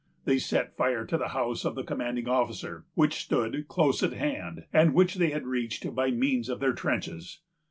They set fire to the house of the commanding officer, which stood close at hand, and which they had reached by means of their trenches.